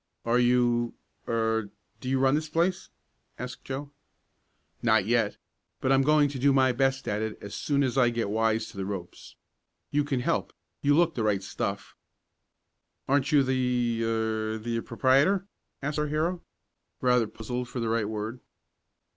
"Are you er do you run this place?" asked Joe. "Not yet, but I'm going to do my best at it as soon as I get wise to the ropes. You can help you look the right stuff." "Aren't you the er the proprietor?" asked our hero, rather puzzled for the right word.